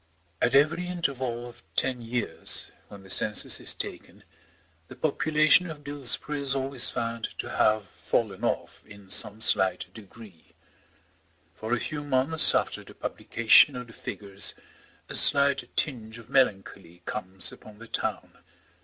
At every interval of ten years, when the census is taken, the population of Dillsborough is always found to have fallen off in some slight degree. For a few months after the publication of the figures a slight tinge of melancholy comes upon the town.